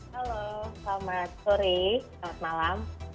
halo selamat sore selamat malam